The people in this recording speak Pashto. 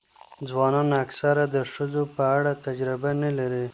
ځوانان اکثره د ښځو په اړه تجربه نه لري.